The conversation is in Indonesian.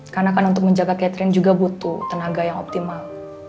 karena kan untuk menjaga catherine juga butuh tenaga yang optimal